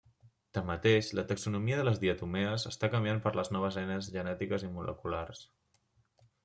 Tanmateix, la taxonomia de les diatomees està canviant per les noves eines genètiques i moleculars.